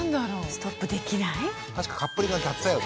ストップできない？